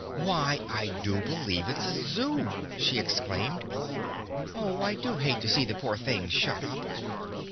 "Why, I do believe it's a Zoo!" she exclaimed. "Oh, I do hate to see the poor things shut up!